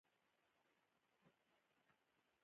اوس هغه دین او قوانین قبلوي.